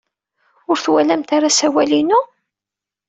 Ur twalamt ara asawal-inu?